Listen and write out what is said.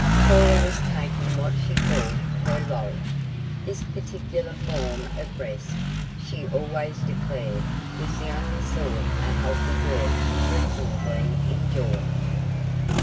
Cora was taking what she called her "loll." This particular form of rest, she always declared, was the only sort a healthy girl could reasonably enjoy.